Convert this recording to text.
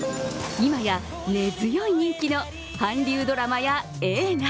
今や根強い人気の韓流ドラマや映画。